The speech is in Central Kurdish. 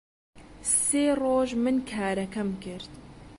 سێ ڕۆژ من کارەکەم کرد